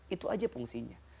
itu aja fungsinya